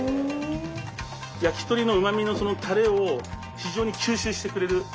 焼き鳥のうまみのそのたれを非常に吸収してくれる。